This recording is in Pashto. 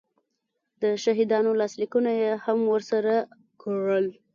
د شاهدانو لاسلیکونه یې هم ورسره کړل